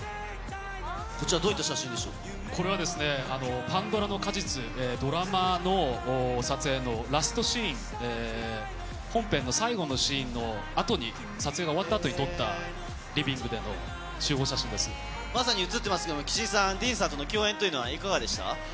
こちら、どういったこれはですね、パンドラの果実、ドラマの撮影のラストシーン、本編の最後のシーンのあとに、撮影が終わったあとに撮った、まさに写ってますけれども、岸井さん、ＤＥＡＮさんとの共演というのは、いかがでした？